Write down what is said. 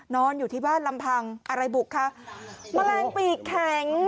นอนอยู่ที่บ้านลำพังอะไรบุกคะแมลงปีกแข็ง